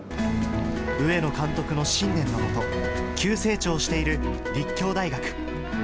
上野監督の信念のもと、急成長している立教大学。